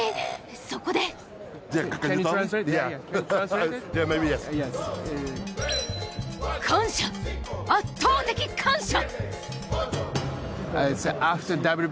そこで感謝、圧倒的感謝。